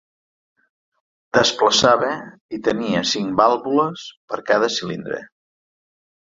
Desplaçava i tenia cinc vàlvules per cada cilindre.